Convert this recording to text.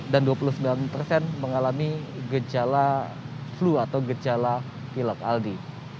dan dua puluh sembilan persen mengalami gejala flu atau gejala pilak aldi